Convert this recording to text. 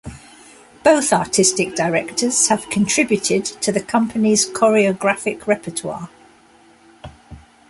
Both Artistic Directors have contributed to the company's choreographic repertoire.